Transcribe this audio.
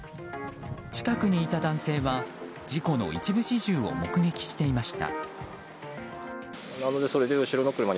近くにいた男性は事故の一部始終を目撃していました。